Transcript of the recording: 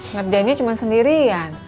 ngerjainnya cuma sendirian